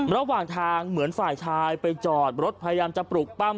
ระหว่างทางเหมือนฝ่ายชายไปจอดรถพยายามจะปลุกปั้ม